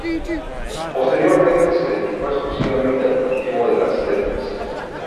Posteriormente se dedicó exclusivamente al cultivo de las letras.